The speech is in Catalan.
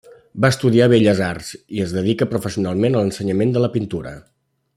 Va estudiar Belles Arts i es dedica professionalment a l'ensenyament de la pintura.